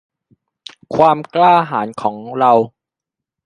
ความกล้าหาญกล้าของเรา